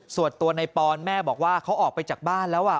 ส่วนตัวในปอนแม่บอกว่าเขาออกไปจากบ้านแล้ว